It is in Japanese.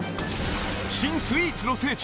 新スイーツの聖地